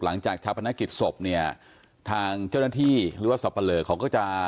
หลังจากชาวพนักกิจศพเนี่ยทางเจ้าหน้าที่หรือว่าสอบเผลอเขาก็จะ